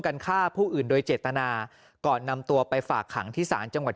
ฆ่าผู้อื่นโดยเจตนาก่อนนำตัวไปฝากขังที่ศาลจังหวัด